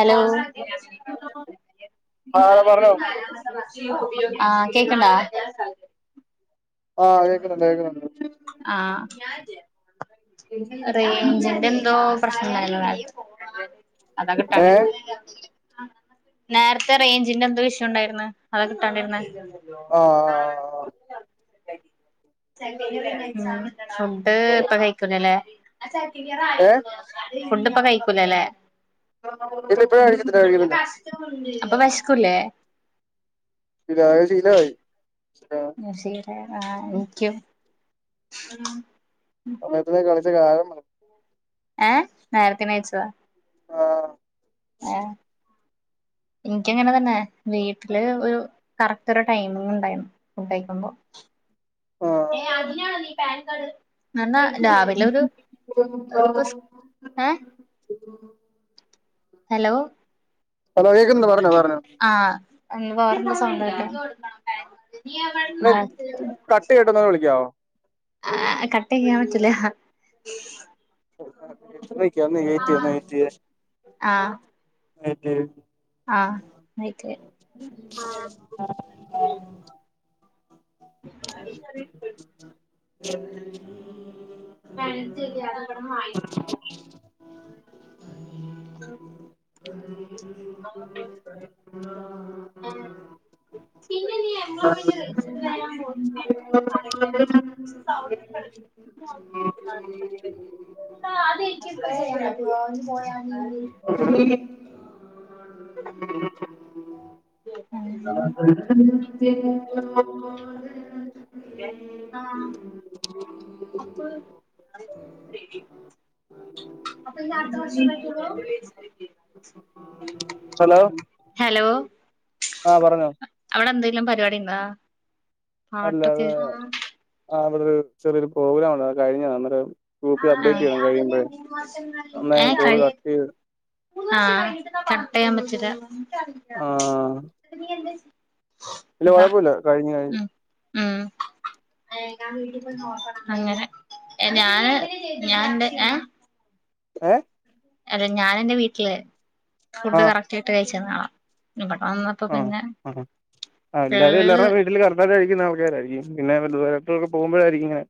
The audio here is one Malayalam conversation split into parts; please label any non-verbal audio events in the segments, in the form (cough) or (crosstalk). ഹലോ ആഹ് പറഞ്ഞോ ആഹ്കേക്ണ്ടാ ആഹ്കേക്കുണണ്ട്കേക്ന്ണ്ട് ആഹ് റേഞ്ചിന്റെന്തോ (unintelligible) അതാകിട്ടാഞ്ഞത് ഏഹ് നേരത്തെറേഞ്ചിന്റെന്തോഇഷ്യുണ്ടായിരുന്നുഅതാകിട്ടാണ്ടിര്ന്നെ ആഹ് (unintelligible) ഫുണ്ട്ഇപ്പൊകഴിക്കുലല്ലേ ഏഹ് ഫുഡ്ഇപ്പകഴിക്കൂലല്ലേ ഇല്ലഇപ്പകഴിക്കത്തില്ലകഴിക്കത്തില്ല അപ്പൊവെശ്ക്കുല്ലേ പിന്നായ്ശീലായി ആഹ്ശീലതായിക്കും സമയത്തിന്കഴിച്ചകാലംമ ഏഹ് നേരത്തിനയച്ചതാ ആഹ് ആഹ് ഇനക്ക്ങ്ങനെതന്നെവീട്ടില്ഒരു കറക്റ്റൊരുടൈമിംഗണ്ടായിരുന്നു ഫുഡെഴിക്കുമ്പോ ആഹ് ഏഹ്അതിനാണോഈപാൻ കാഡ് എന്നാരാവിലൊരുഇപ്പസ് ഹലോ ഹലോ കേകുന്ന്പറഞ്ഞോപറഞ്ഞോ ആഹ് (unintelligible) സ കട്ട് ചെയ്തിട്ടൊന്ന് വിളിക്കാവോ (unintelligible) ആഹ്കട്ടെയ്യാപറ്റൂല കൊന്ന്ഏറ്റിയെഏറ്റിയെഏറ്റിയെ ആഹ് നൈറ്റേ ആഹ് (unintelligible) (unintelligible) (unintelligible) അഹ് (unintelligible) പിന്നെനീയേ (unintelligible) (unintelligible) പോയാല് (unintelligible) (unintelligible) അയ്ന് (unintelligible) ആഹ് അപ്പ് (unintelligible) അപ്പഞ്ഞ് അടുത്ത വർഷേ പറ്റൊള്ളു. ഹലോ ഹലോ ആഹ് പറഞ്ഞോ അവിടെന്തേലും പരിപാടിണ്ടാ? അല്ല അത് ആഹ് ഇവിടൊരു ചെറിയൊരു പ്രോഗ്രാംണ്ടായി അത് കഴിഞ്ഞതാ അന്നേരം ഗൂപ്പില് ആ അപ്ഡേറ്റെയ്യണം കഴിയുമ്പഴേ അന്നാ ഞാൻ കോള് കട്ടേയ്ത് ആഹ് കട്ടെയ്യാൻ പറ്റില്ല. ആ ന്നട്ട് നീയെന്താ ചെ ഇല്ല കൊയപ്പൂല്ല കഴ്ഞ്, കഴ്ഞ്ഞ്. ഉം ഉം അങ്ങനെ എഞാന് ഞാന്റെ ഏഹ് ഏഹ് അല്ല ഞാൻ എന്റെ വീട്ടില് ഫുഡ് ആഹ് കറെക്റ്റായ്ട്ട് കഴ്ച്ചിരുന്നാളാ. ഇവടെവന്ന് ആഹ്, ആഹ് ആഹ് എല്ലാരും എല്ലാവർടെം വീട്ടില് കറ ക്ഷ്ണം കഴിക്കുന്ന ആൾക്കാരായിരിക്കും പിന്നെ (unintelligible) പോകുമ്പോഴായിരിക്കും ഇങ്ങനെ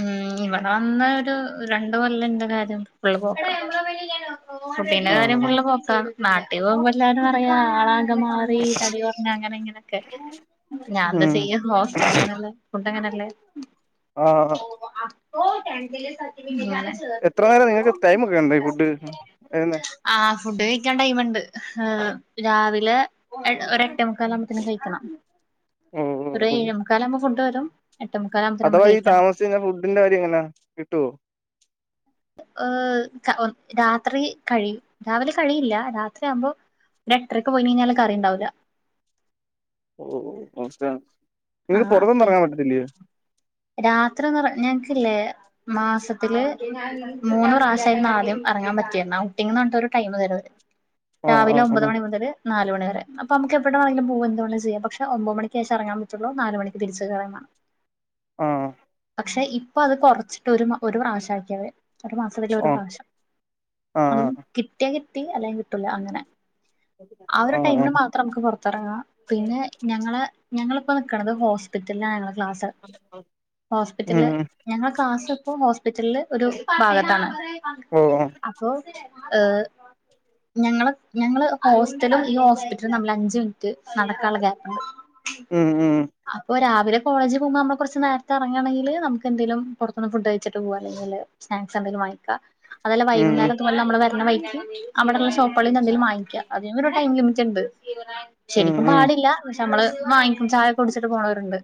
ഉം ഇവടെവന്ന് ഒരു രണ്ട്കൊല്ലം ന്റെ കാര്യം ഫുള്ള്പോക്കാ. ഫുഡിന്റെകാര്യം ആഹ് ഫുള്ള്പോക്കാ. നാട്ടി പോകുമ്പോ എല്ലാരും പറയാ ആളാ ക മാറി തടികൊർഞ് അങ്ങനെ ഇങ്ങനൊക്കെ. ഞാൻന്താ ഉം ചെയ്യ ഹോസ്റ്റൽ അങ്ങനല്ലെ. ഫുഡങ്ങനല്ലേ? ആണ്. ങ്ങനെ എത്ര നേരാ നിങ്ങക്ക് ടൈമ് ഒക്കെഇണ്ടോ ഈ ഫുഡ് (unintelligible) ന്നെ? ആഹ് ഫുഡ് കഴിക്കാൻ ടൈമ്ണ്ട്. ഏഹ് രാവിലെ എ ഒരെട്ടേ മു ക്കാലാവുമ്പത്തിനും കഴ്ക്കണം. ഓഹ് ഓഹ് ഒര് ഓഹ് ഏഴെ മുക്കാലാവുമ്പം ഫുഡ് വരും എട്ടേ മുക്കാലാ അഥവാ ഈ താമസിച്ചയ്ഞ്ഞ ഫുഡിന്റെ കാര്യം എങ്ങനാ, കിട്ടുവോ? ഏഹ് ക രാത്രി കഴിയും. രാവിലെ കഴിയില്ല. രാത്രി ആവുമ്പോ ഒരെട്ട്രെക്ക് പോയി കഴ്ഞ്ഞാൽ കറിണ്ടാവൂല. ഓഹോ അവസ്ഥയാണ്. ആഹ് അപ്പെയ്, രാത്രി ഒന്നുംറ ഞങ് ക്ക്ല്ലെ മാസത്തില് മൂന്ന് പ്രാവശ്യായിരുന്നു ആദ്യം അറങ്ങാൻ പറ്റിയിര്ന്നത്. ഔട്ടിങ് ന്ന് പർഞ്ഞിട്ട് ഒരു ടൈമ് തെരു അവര്. ആഹ് രാവിലെ ഒമ്പത് ആഹ് മണി മുതല് നാല് മണിവരെ. അപ്പ മ്മക്ക് എവിടെ വേണെങ്കിലും പോവാം എന്തുവേണേലും ചെയ്യാം. പക്ഷെ ഒമ്പത് മണിക് ശേഷം എറങ്ങാൻ പ റ്റൊള്ളു നാല് മണിക്ക് തിരിച്ച് കേറേം വാണം. ആഹ് പക്ഷെ ഇപ്പ അത് കൊറച്ചിട്ട് ഒരു ഒരു മ പ്രാവിശ്യാക്കി അവര്. ഒരു മാസത്തില് ഒരു ആഹ് പ്രാവശ്യം. അതും ആഹ് കിട്ടിയാ കിട്ടി അല്ലെങ്കി കിട്ടൂല അങ്ങനെ. ആ ആഹ് ഒരു ആഹ് ടൈമിന് ആഹ് മാത്രം നമുക്ക് പൊർത്തിറങ്ങാ. പിന്നെ ഞങ്ങളെ ഞങ്ങള് ഇ പ്പം നിക്ക്ണത് ഹോസ്പിറ്റലിലാ ഞങ്ങളെ ക്ലാസ്. ഉം ഹോസ്പിറ്റൽല് ഉം ഞങ്ങളെ ക്ലാസ്സിപ്പോ ഹോസ്പിറ്റൽല് ഒരു ഭാഗത്താണ്. ഓഹ് ഹെ അപ്പൊ ഏഹ് ഞങ്ങള് ഞങ്ങള് ഹോസ്റ്റലും ഈ ഹോസ്പിറ്റലുംതമ്മില് അഞ്ച്മിനിറ്റ് നടക്കാനുള്ള ക്യാപ്പുണ്ട്. ഉം, ഉം അപ്പൊ രാവിലെ കോളജ് പോകുമ്പോ ന്നമ്മ കൊർച്ച് നേര്ത്തെ അറങ്ങാണെങ്കില് ന്നമുക്ക് എന്തെങ്കെലും പുറത്തുന്ന്ഫുഡ് കഴിച്ചിട്ട് പോവാ അല്ലെങ്കില്. സ്നാക്സ് എന്തെങ്കിലും വങ്ങിക്ക അതെല്ല ഉം വൈകുന്നേരം നമ്മള് വരണ വയ്ക്ക് അവിടെള്ള ഷോപ്പുകളിൽ നിന്ന് എന്തെലും വാങ്ങിക്ക അതിന് ഒരു ടൈംമ് ലിമിറ്റ്ഇണ്ട്. ഉം ശരിക്കും ഉം പാടില്ല പക്ഷെ അമ്മള് വാങ്ങിക്കും ചായൊക്കെ കുടിച്ചിട്ട് പോണോരുണ്ട്.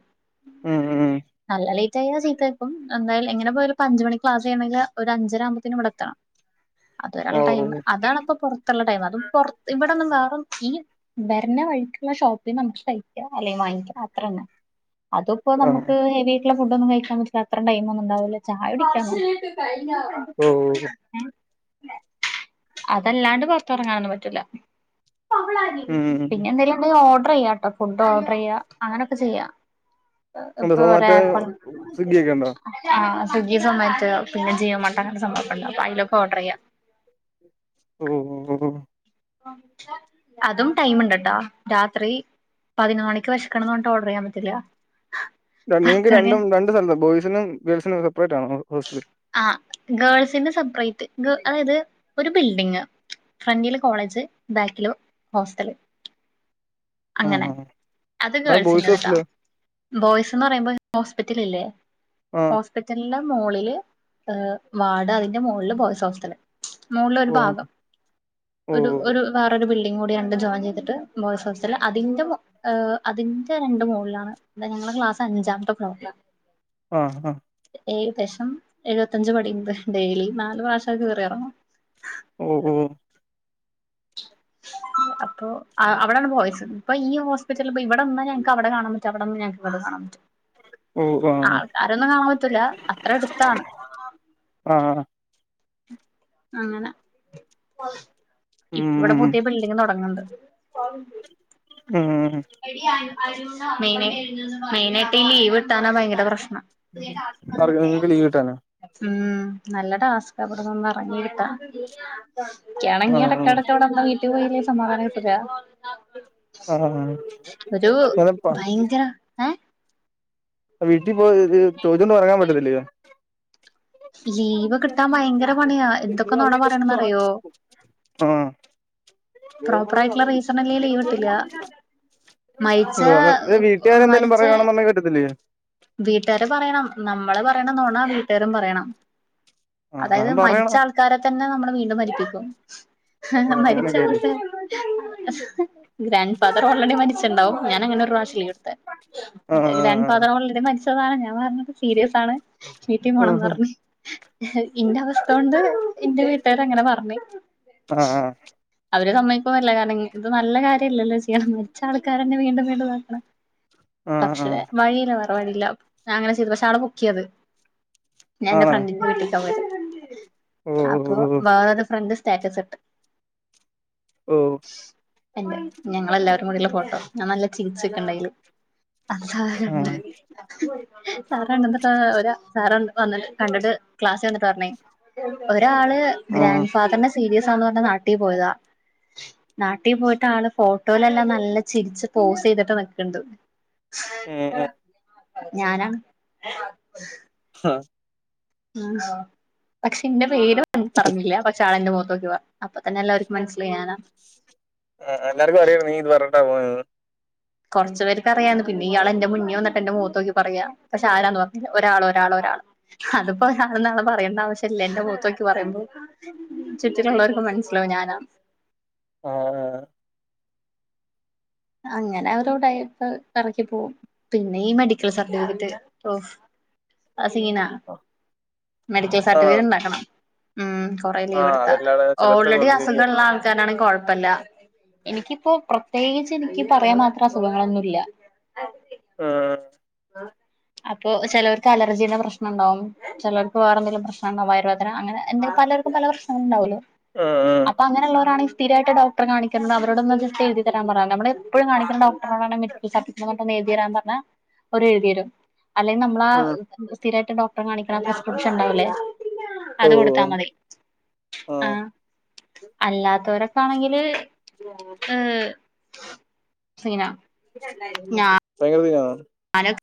ഉം, ഉം ന്നല്ല ലേയ്റ്റ്ആയാ ചീത്തേക്കും എന്തായാലും എങ്ങനെപോയാലും ഒരു പഞ്ച്മണിക്ക് ക്ലാസ് കയ്യുമെങ്കിൽ ഒര് അഞ്ചരആവുമ്പോത്തിനും ഇവടെ എത്തണം. അത് വെരെയുള്ള ടൈമ് ഓഹ് അതാണ്പ്പൊ പൊർത്തുള്ള ടൈമ് അതും പൊർ ഇവിടൊന്നും വേറൊന്നും ഈ വെര്ന വഴ്ക്കുള്ള ഷോപ്പിന്ന് ന്നമുക്ക് കയ്ക്കാം അല്ലെങ്കി വാങ്ങിക്കാം. അത്രന്നെ അതുപ്പോ ഓഹ് ഞമ്മക്ക് ഹെവി ഫുഡൊന്നും കഴിക്കാൻ പറ്റില്ല അത്രടൈമൊന്നുംണ്ടാവില്ല ചായ കുടിക്കാ. ഓഹ് എഹ് അതല്ലാണ്ട് പൊർത്തർങ്ങാനൊന്നും പറ്റൂല ഉം ഉം പിന്നെ എന്തെലും ഫുഡ് ഓർഡർ ചെയ്യാട്ടോ ഫുഡ്ഓർഡർ ചെയ്യ അങ്ങനെയൊക്കെചെയ്യ. എന്താ ഒകെ ഒരു സൊമാറ്റോ ആപ്പ് ആണ് സ്വിഗ്ഗി ഒക്കെ ഉണ്ടോ ആഹ സ്വിഗ്ഗി സൊമാറ്റോ പിന്ന ജിയോട്ടൺ അങ്ങന സംഭവംണ്ട് അപ്പ അതിലൊക്കെ ഓർഡർ ചെയ്യാം. ഓഓ അതും ടൈം ഉണ്ടട്ടാ രാത്രി പതിനൊന്ന് മണിക്ക് വിശക്കണ് എന്ന് പറഞ്ഞിട്ട് ഓർഡർ ചെയാൻ പറ്റില്ല പെണ്ണുങ്ങൾക്ക് പത്ത് മണി രണ്ടും രണ്ട് സ്ഥലത്ത ബോയ്സിനും ഗേൾസിനും സെപ്പറേറ്റ് ആണോ ഹോസ്റ്റൽ ആ ഗേൾസിന്റെ സെപ്പറേറ്റ് അതായത് ഒരു ബിൽഡിങ് ഫ്രണ്ടില് കോളേജ് ബാക്കില് ഹോസ്റ്റല് ആ അങ്ങനെ ആ അത് ആ ഗേൾസിൻ്റെ ബോയ്സ് ത് കേട്ടാ ഹോസ്റ്റല് ബോയ്സ് എന്ന് പറയുമ്പോ ഹോസ്പിറ്റൽ ഇല്ലേ ആ കിച്ചണിൻ്റെ മുകളിൽ ഹ് വാട് അതിന്റെ മോളിൽ ബോയ്സ് ഹോസ്റ്റൽ മുകളില ഒരു ഓ ഭാഗം ഓ ഒരു ഒരു വേറൊരു ബിൽഡിങ് കൂടി ഉണ്ട് ജോയിൻ ചെയ്തിട്ട് ബോയ്സ് ഹോസ്റ്റൽ അതിന്റ മു ഏഹ് അതിന്റെ രണ്ടു മുകളിലാണ് എ ഞങ്ങളെ ക്ലാസ് അഞ്ചാമത്തെഫ്ലോർ ആണ് ആഹ ആ ഏകദേശം എഴുപത്തഞ്ച് പടിയണ്ട് ഡെയിലി നാല് പ്രാവശ്യം അത് കയറി ഇറങ്ങണം. ഓ ഓ (unintelligible) അപ്പൊ അവിടൊണ് ബോയസ് ഇപ്പൊ ഈ ഹോസ്പിറ്റല ഇവിടെന്നാ ഞക്ക് അവിടെ കാണൻ പറ്റും അവിടെന്ന് ഞക്ക് ഇവിടെ കാണാൻ പറ്റും. ഓ ആ ആൾക്കാരൊന്നും കാണാൻ പറ്റില്ല അത്ര അടുത്താണ്. ആഹ അങ്ങനെ ഇപ്പ ഇവിടെ ഉം പുതിയ ബിൽഡിങ് തുടങ്ങണ്ട് ഉം മെയിന മെയിനായിട്ട് ഈ ലീവ് കിട്ടാനാ ഭയങ്കര പ്രശ്നം ആർക് നിങ്ങക്ക് ലീവ് കിട്ടാനോ ഉം നല്ല ടാസ്ക് ഇവിടന്ന് ഒന്ന് ഇറങ്ങി കിട്ടാൻ ആ ഇക്ക്യാനെങ്കിൽ ഇടക്കടക്കവിടെന്ന വീട്ട പോയിലേ സമാധാനം കിട്ടില്ല ആഹ് ഒരു ഭയങ്കര ഏ വീട്ടിൽ പോയി ചോദിച്ചോണ്ട് എറങ്ങൻ പറ്റത്തില്ലോ ലീവ് കിട്ടാൻ ഭയങ്കര പണിയാ എന്തൊക്കെ നോണ പറയണന്ന്റിയോ ആഹ പ്രോപ്പർ ആയിട്ടുള്ള റീസൺ ഇല്ലേല് ലീവ് കിട്ടില്ല മരിച്ച ഓ അത് ഉപ്പ വീട്ടുകാര് എന്തേലും മരിച്ച പറയുവാണെന്നുണ്ടെങ്കി പറ്റത്തില്ലയോ വീട്ടുകാര് പറയണം നമ്മള് പറയണനൊണ വീട്ടുകാരും പറയണം ആ അതായത് അതാവുമ്പോ മരിച്ച പറയണം ആൾക്കാരെ തന്നെ നമ്മള് വീണ്ടും മരിപ്പിക്കും ഓ ആ അങ്ങനൊക്കെയല്ലേ മരിച്ചആൾക്കാരെ ഗ്രാൻഡ് ഫാദർ ഓൾറെഡി മരിച്ചിണ്ടാവും ഞാൻ അങ്ങനെ ഒരു പ്രാവശ്യം ലീവ് എടുത്തേ ആ ആ ഗ്രാൻഡ് ആ ഫാദർ ആൾറെഡി മരിച്ചതാണ് ഞാൻ പറഞ്ഞത് സീരിയസ് ആണ് വീട്ടിപോണംന്ന് പറഞ്ഞ ഇന്റെ അവസ്ഥ കൊണ്ട് ഇന്റെ വീട്ടുകാര് അങ്ങനെ പറഞ്ഞ് ആ അവര് സമ്മതിക്കോല്ല കാരണം ഇത് നല്ല കാര്യല്ലല്ലോ ചെയ്യണ് മരിച്ച ആൾക്കാരന്നെ വീണ്ടും വീണ്ടും ഇത്ക്കണ് ആ ആ ആ പക്ഷേ വഴിയില്ല വേറെ വഴിയില്ല ഞ അങ്ങനെ ചെയ്ത് പക്ഷെ ആളത് പൊക്കിയത് ഞാ എന്റെ ആണോ ഫ്രണ്ടിന്റെ വീട്ടിക്ക് പോയത്‌ ഓ അപ്പൊ വേറരു ഫ്രണ്ട് സ്റ്റാറ്റസ് ഇട്ട് ഉം എന്റെ ഞങ്ങളെല്ലാരും കൂടിള്ള ഫോട്ടോ ഞാൻ നല്ല ചരിച്ച്ക്ക്ണ്ടയില് ആ സാറണ്ട്ട്ട ഒരാ സാറ വന്നിട്ട് കണ്ടിട്ട് ക്ലാസ് വന്നിട്ട് പറഞ്ഞേ ഒരാള് ആഹ് ഗ്രാൻ് ഫാദറിന്ന് സീരിയസാന്ന് പറഞ്ഞ് നാട്ടി പോയതാ നാട്ടീ പോയിട്ട് ആള് ഫോട്ടോയിലെല്ലാം നല്ല ചിരിച്ച് പോസ് ചെയ്തിട്ട് നിക്ക്ണ്ട് ഉം ഉം ഞാനാ ഹ്ം ഉം, പക്ഷെ എന്റെ പേര് പറഞ്ഞില്ല, പക്ഷേ ആളെന്റെ മുഖത്ത് നോക്കി പറഞ്ഞു. അപ്പൊ തന്നെ എല്ലാർക്കും മനസിലായി ഞാനാന്ന് ആ എല്ലാർക്കും അറിയാം നീ ഇത് പറഞ്ഞട്ടാ പോയേന്ന് കുറച്ചു പേർക്ക് അറിയാ പിന്നെ ഇയാള് എന്റെ മുന്നി വന്ന് എന്റെ മുഖത്തോക്കി പറയാ പക്ഷെ ആരാന്ന് പറഞ്ഞില്ല ഒരാള് ഒരാള്, ഒരാള് അത്പ്പോഇന്നാളാന്ന് പറയേണ്ട ആവശ്യമില്ല എന്റെ മുഖത്ത് നോക്കി പറയുമ്പോ ചുറ്റിലുള്ളവർക്ക് മനസ്സിലാവും ഞാനാന് ആ ആ അങ്ങനെ ഓരോ ഉടായിപ്പ് ഇറക്കി പോകും പിന്നെ ഈ മെഡിക്കൽ സർട്ടിഫിക്കറ്റ് ഒഫ് അത് സീനാ മെഡിക്കൽ ആണോ സർട്ടിഫിക്കറ്റ്ണ്ടാക്കണം ഉം, കൊറെ ലീവ് ആഹ് എടുത്താ അതെല്ലാടെ ചിലയിടത്തൊക്കെ ഓൾറെഡി ഉണ്ട് ശരിയാ അസുഖള്ള ആൾക്കാരാണെങ്കിൽ കൊഴപ്പില്ലാ എനിക്കിപ്പോ പ്രത്യേകിച്ച് എനിക്ക് പറയാൻ മാത്രം അസുഖങ്ങളൊന്നുമില്ല. ഉം അപ്പൊ ചിലർക്ക് അലർജിയുടെ പ്രശ്നം ഉണ്ടാവും ചിലർക്ക് വേറെന്തങ്കിലും പ്രശ്നം ഇണ്ടാവും വയർവേദന അങ്ങനെ എന്തെങ്കിലും പലർക്കും പല പ്രശ്നങ്ങളും ഉണ്ടാവല്ലോ ഉം അപ്പൊ അങ്ങനെളളവരാണെ സ്ഥിരായിട്ട് ഡോക്ടർ കാണിക്കുന്നുണ്ട് അവരോടൊന്ന്ന് എഴുതി തരാൻ പറ, നമ്മള് എപ്പോഴും കാണിക്കുണഡോക്ടറോട (unintelligible) സർട്ടിക്കററിനായിഎഴുതിതരാൻ പറഞ്ഞാൽ അവര് എഴുതിരും അല്ലെങ്കിൽ നമ്മള ഉം ആ സ്ഥിരായിട്ട് ഡോക് ടറെ കാണിക്കണ പ്രസ്ക്രിപ്ഷൻ ഇണ്ടാവൂല്ലേ ഓ അത് കൊടുത്താ മതി ആഹ് ആഹ അല്ലാത്തരൊക്കൊണെങ്കില് ഏ (unintelligible) സീനാ ആ ഭയങ്കര ഒരു ഇതാണ് അനക്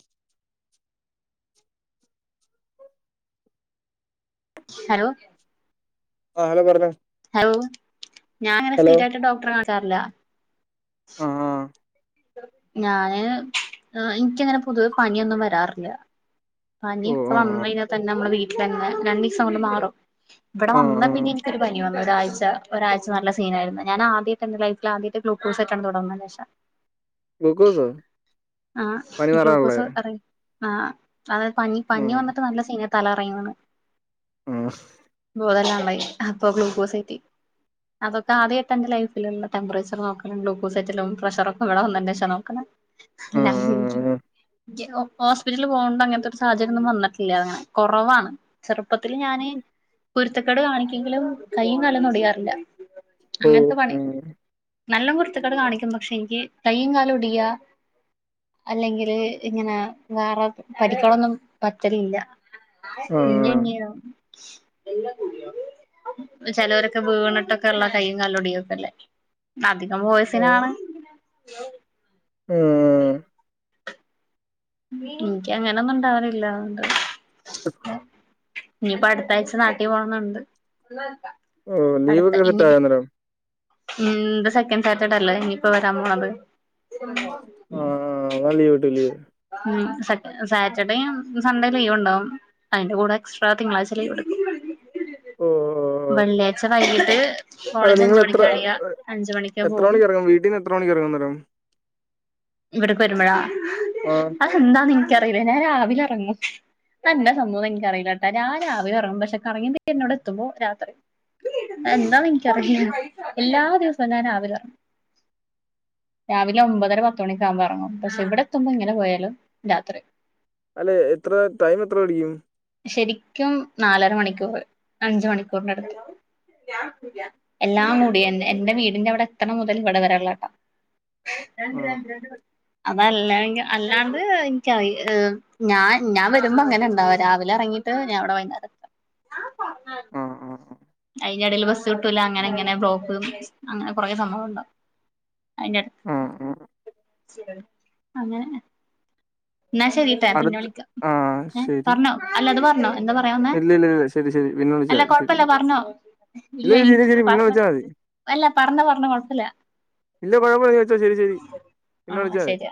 ഹലോ ആരാ പറഞ്ഞ ഹലോ ഞാൻ അങ്ങനെ സ്ഥിരായിട്ട് ഡോക്ടറെ കാട്ടാറില്ല ആഹ് ഞാന് എനിക്കങ്ങനെ പൊതുവെ പനിയൊന്നും വരാറില്ല ഓ പനിയൊക്കെ ആഹ് വന്ന് കഴിഞ്ഞ തന്നെ നമ്മുടെ വീട്ടിൽ തന്നെ രണ്ടു ദിവസം കൊണ്ട് മാറും ഇവിടെ ആഹ് ആഹ് വന്നാ ആഹ് പിന്നെ എനിക്കൊരു പനി വന്നു ഒരാഴ്ച്ച, ഒരാഴ്ച നല്ല സീനായിരുന്നു ഞാൻ ആദ്യമായിട്ട് എന്റെ ലൈഫിൽ ആദ്യമായിട്ടാണ് ഗ്ലൂകോസ്ആയിട്ടാണ്ഇവിടെ വന്നെ ഗ്ലൂക്കോസ് ആഹ്, ഗ്ലൂക്കോസ് ആ അതായത് പനി പനി ഉം വന്നിട്ട് നല്ല സീന തല കറങ്ങി വീണ്. ആഹ് അതല്ല ഉള്ളായി അപ്പൊ ഗ്ലൂക്കോസ്സ് കേറ്റി അതൊക്കെ ആദ്യായിട്ട ലൈഫിൽ ടെമ്പറേച്ചർ നോക്കണം ഗ്ലൂക്കോസൈറ്റിലും പ്രഷറൊക്കെ ഇവിടെ വന്ന ശേഷ നോക്കണേ. ഉം (unintelligible) ഹോസ്പിറ്റല് പോകണ്ട് അങ്ങനത്തെ ഒരു സാഹചര്യം ഒന്നും വന്നിട്ടില്ല അങ്ങനെ കുറവാണ് ചെറുപ്പത്തിൽ ഞാന് ഉം കുരുത്തക്കേട് കാണിക്കുമെങ്കിലും കൈയും കാലും ഒന്നും ഒടിയാറില്ല ഓ അങ്ങനത്തെ പണി ഉം നല്ല കുരുത്തകേട് കാണിക്കും പക്ഷെ എനിക്ക് കയ്യും, കാലും. ഒടിയാ അല്ലെങ്കില് ഇങ്ങനെ വേറെ പരിക്കളൊന്നും പറ്റലില്ല ആഹ് (unintelligible) ചിലവരൊക്കെ വീണിട്ടൊക്കെ ഉള്ള കൈയും കല്ലോടിയും ഒക്കെ അല്ലേ അധികം ബോയിസിനാണ് ഉം ഉം അ എനിക്കങ്ങനൊന്നുംണ്ടാവാറില്ല അതുകൊണ്ട് (unintelligible) ഇനിയിപ്പോ അടുത്താഴ്ച നാട്ടിൽ പോണുന്നുണ്ട് ഓ അടുത്ത ലീവൊക്കെ സെറ്റ് ഇനു ആയോ അന്നേരം ഉം ഇത് സെക്കൻഡ് സ്റ്റാറ്റർഡ അല്ല ഇനിയിപ്പോ വരാൻ പോണത്. ആഹ് നാ ലീവട്ടൂലെയോ. ഉം സാറ്റർഡേയും സൺഡേയും ലീവ് ഉണ്ടാവും അതിന്റെ കൂടെ എക്സ്ട്രാ തിങ്കളാഴ്ച ലീവ് എടുക്കും. ഓ ഓഹ് വെള്ളിയാഴ്ച വൈകിട്ട് കോളേജ് അഞ്ച് മണിക്ക കഴിയ അഞ്ച് മണിക് പോവും. വീട്ടിന്. എത്ര മണിക്കൂർ നേരം ഇവിടക്ക് വരുമ്പോളാ. ആഹ്. എന്താന്ന് എനിക്കറിയില്ല ഞാൻ രാവിലെ ഇറങ്ങും. എന്ന സംഭവന്ന് എനിക്കറിയില്ലട്ടാ ഞാൻ രാവിലെ ഇറങ്ങും പക്ഷെ കറങ്ങി അവിടെ എത്തുമ്പോ രാത്രി. എന്താന് എനിക്കറില്ല എല്ലാ ദിവസവും ഞാൻ രാവില. രാവിലെ ഒമ്പതര പത്തുമണിക്ക ആവുമ്പോറങ്ങും പക്ഷെ ഇവിടെ എത്തുമ്പോ എങ്ങനെ പോയാലും രാത്രി. അല്ലെ എത്ര ടൈം എത്ര പിടിക്കും. ശരിക്കും നാലര മണിക്കൂർ അഞ്ച് മണിക്കൂറിന്റെ അടുത്ത്. എല്ലാം കൂടി ആ എൻറെ വീടിന്റെ അവിടെ എതണ മുതൽ ഇവിടെ വരുള്ളാട്ടോ. രണ്ട് രണ്ട് രണ്ട്. അതല്ല അല്ലാണ്ട് എനിക്കറി ഞാൻ ഞാൻ വരുമ്പോ അങ്ങനെ ഉണ്ടാവ രാവിലെ. ഇറങ്ങിട്ട് ഞാ ഇവിടെ വൈനാരം. ആ ആ അയിന്റടിയിൽ ബസ് കിട്ടൂല അങ്ങനെ ഇങ്ങെ ബ്ലോക്ക് അങ്ങനെ കുറേ സംഭവം ഉണ്ടാവും. ആ ആ അയിന്റടുത്ത് അങ്ങനെ. എന്നാ ശരിയട്ടാ പിന്നെ അടുത്ത് വിളിക്കാം ആ ഏഹ് ശരി. പറഞ്ഞോ അല്ലത് പറഞ്ഞോ. എന്താ പറയാൻ ഇല്ല ഇല്ല ഇല്ല ശരി ശരി പിന്നെ വിളിച്ചാ വന്നെഅല്ല മതി ശരി. കൊഴപ്പല്ല ശരി. പറഞ്ഞോ. ഇല്ല ഇല്ലനി ശരി ശരി പിന്നെ പറഞ്ഞ വിളിച്ചാ മതി. അല്ല പറഞ്ഞോ പറഞ്ഞോ കൊഴപ്പില്ല. ഇല്ല കുഴപ്പല്ല എ വെച്ചാ ശരി ശരി പിന്നെ ആ വിളിച്ചാ മതി ശരി